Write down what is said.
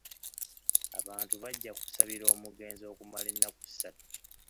Abantu bajja kusabira omugenzi okumala ennaku ssatu.